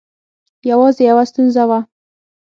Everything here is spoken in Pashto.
یوازې یوه ستونزه وه.